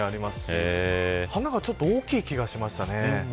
花がちょっと大きい気がしました。